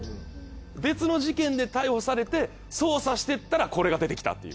別の事件で逮捕されて捜査してったらこれが出てきたっていう。